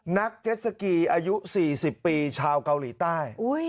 นักเจ็ดสกีอายุ๔๐ปีชาวเกาหลีใต้